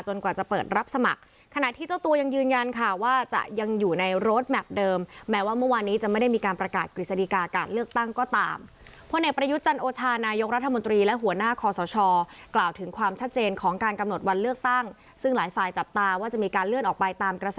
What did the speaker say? จนกว่าจะเปิดรับสมัครขณะที่เจ้าตัวยังยืนยันค่ะว่าจะยังอยู่ใน